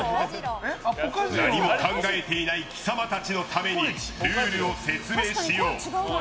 何も考えていない貴様たちのためにルールを説明しよう。